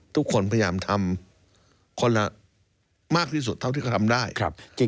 ทุกคนพยายามทำคนละมากที่สุดเท่าที่เขาทำได้